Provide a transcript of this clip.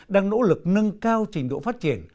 đang nỗ lực nâng cao trình độ phát triển